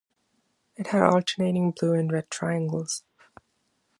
It had alternating blue and red triangles.